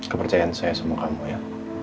kepercayaan saya sama kamu ya